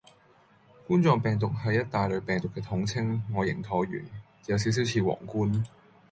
冠狀病毒係一大類病毒嘅統稱，外形橢圓，有少少似王冠